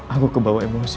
aku kebawa emosi